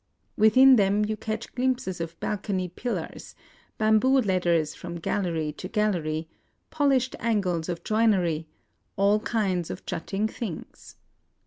Within them you catch glimpses of balcony pillars, bamboo ladders from gallery to gallery, pol ished angles of joinery, — all kinds of jutting things.